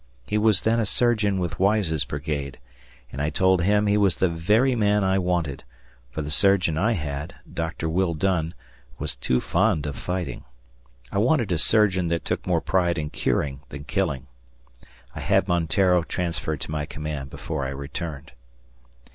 He was then a surgeon with Wise's brigade, and I told him he was the very man I wanted, for the surgeon I had, Doctor Will Dunn, was too fond of fighting. I wanted a surgeon that took more pride in curing than killing. I had Monteiro transferred to my command before I returned.